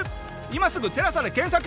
今すぐ「テラサ」で検索！